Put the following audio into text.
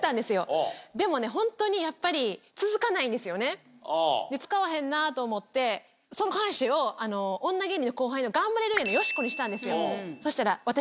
でもねホントにやっぱり。と思ってその話を女芸人の後輩のガンバレルーヤのよしこにしたんですよそしたら。